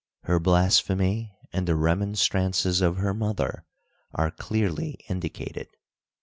Her blasphemy and the remonstrances of her mother are clearly indicated.